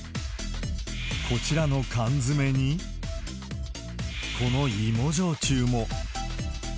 こちらの缶詰に、この芋焼酎も。